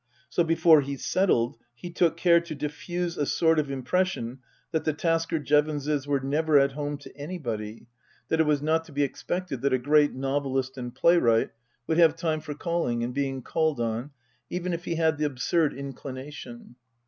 So before he settled he took care to diffuse a sort of impression that the Tasker Jevonses were never at home to anybody, that it was not Book II : Her Book 215 to be expected that a great novelist and playwright would have time for calling and being called on, even if he had the absurd inclination.